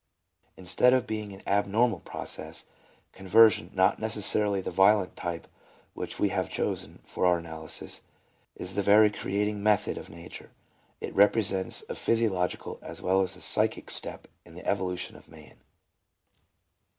Instead of being an abnormal process, con version — not necessarily the violent type which we have chosen for our analysis — is the very creating method of nature. It represents a physiological as well as a psychic step in the evolution of man.